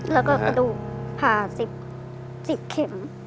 แล้วก็กระดูกผ่า๑๐เข็ม